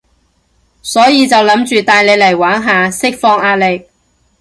所以就諗住帶你嚟玩下，釋放壓力